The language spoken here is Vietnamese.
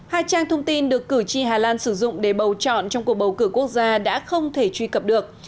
hai trang thông tin được cử tri hà lan sử dụng để bầu chọn trong cuộc bầu cử quốc gia đã không thể truy cập được